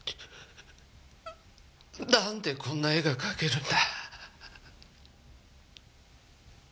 なんでこんな絵が描けるんだ。